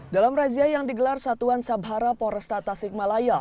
dalam razia yang digelar satuan sabhara polresta tasikmalaya